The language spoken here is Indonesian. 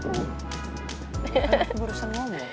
kan itu urusan kamu